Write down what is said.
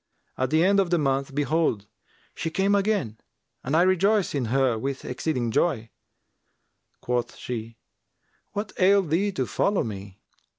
At the end of the month behold, she came again and I rejoiced in her with exceeding joy. Quoth she, 'What ailed thee to follow me?'